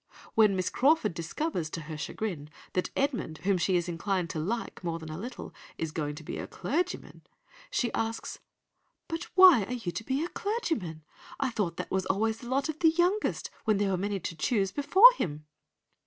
When Miss Crawford discovers, to her chagrin, that Edmund, whom she is inclined to like more than a little, is going to be a clergyman, she asks— "'But why are you to be a clergyman? I thought that was always the lot of the youngest, where there were many to choose before him!